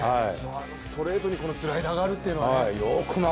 ストレートに、このスライダーがあるというのはね。